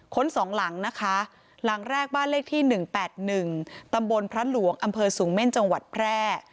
สองหลังนะคะหลังแรกบ้านเลขที่๑๘๑ตำบลพระหลวงอำเภอสูงเม่นจังหวัดแพร่